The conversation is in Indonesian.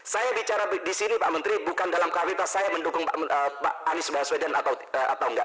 saya bicara di sini pak menteri bukan dalam kapasitas saya mendukung pak anies baswedan atau enggak